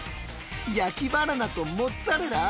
焼きバナナとモッツァレラ！？